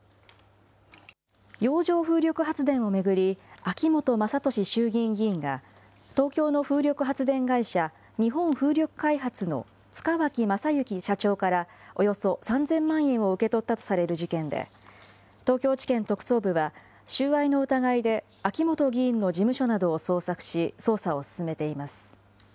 洋上風力発電を巡り、秋本真利衆議院議員が、東京の風力発電会社、日本風力開発の塚脇正幸社長からおよそ３０００万円を受け取ったとされる事件で、東京地検特捜部は収賄の疑いで秋本議員の事務所などを捜索し、捜査を進めています。